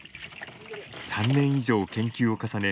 ３年以上研究を重ね